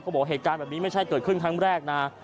บอกว่าเหตุการณ์แบบนี้ไม่ใช่เกิดขึ้นครั้งแรกนะ